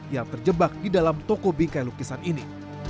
yang terjebak di dalam toko bingkai lukisan ini